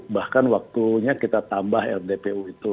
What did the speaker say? bahkan waktunya kita tambah rdpu itu